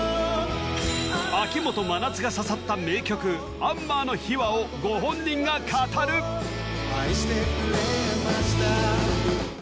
秋元真夏が刺さった名曲「アンマー」の秘話をご本人が語る愛してくれました